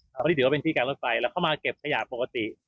เพราะนี่ถือว่าเป็นที่การรถไฟแล้วเข้ามาเก็บขยะปกติ